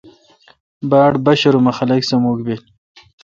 باڑ با شرم خلق سہ مکھ بیل۔